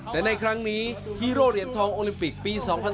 แต่ในครั้งนี้ฮีโร่เหรียญทองโอลิมปิกปี๒๐๑๖